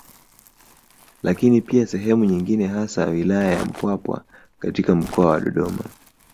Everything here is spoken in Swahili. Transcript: Lakini pia sehemu nyingine hasa wailaya ya Mpwapwa katika mkoa wa Dodoma